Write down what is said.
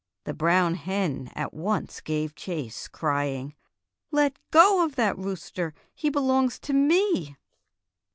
The brown hen at once gave chase, crying: "Let go of that rooster! He belongs to me!"